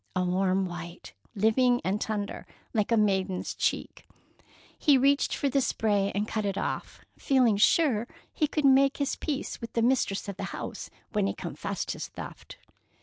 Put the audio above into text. A warm white, living and tender, like a maiden's cheek. He reached for the spray and cut it off, feeling sure he could make his peace with the mistress of the house when he confessed his theft.